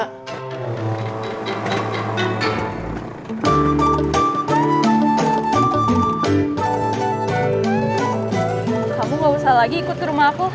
kamu gak usah lagi ikut ke rumah aku